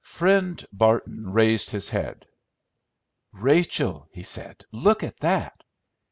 Friend Barton raised his head: "Rachel," he said, "look at that!"